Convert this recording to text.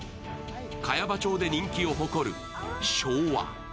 茅場町で人気を誇る昭和。